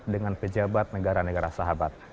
dengan pejabat negara negara sahabat